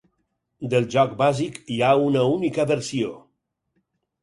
Del joc bàsic hi ha una única versió.